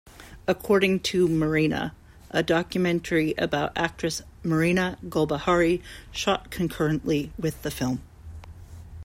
According to "Marina", a documentary about actress Marina Golbahari shot concurrently with the film.